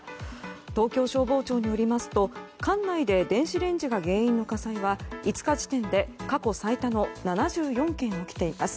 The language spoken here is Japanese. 東京消防庁によりますと管内で電子レンジが原因の火災は５日時点で過去最多の７４件起きています。